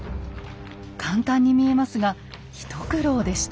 簡単に見えますが一苦労でした。